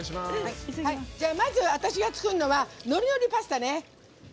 まず、私が作るのは「のりのりパスタ」ね。